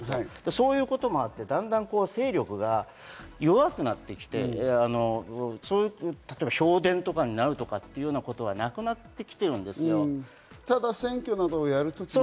そういうこともあって、だんだん勢力が弱くなってきて例えば評伝とかになるということはなく、きているんですね。